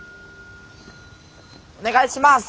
お願いします！